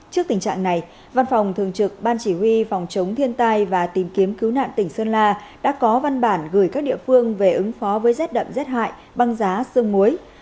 trước tình trạng này văn phòng thường trực ban chỉ huy phòng chống thiên tai và tìm kiếm cứu nạn tỉnh sơn la đã có văn bản gửi các địa phương về ứng phó với rét đậm rét hại băng giá sương muối